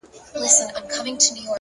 لوړ لید د واټنونو مانا بدلوي